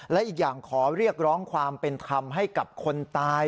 และอีกอย่างขอเรียกร้องความเป็นธรรมให้กับคนตาย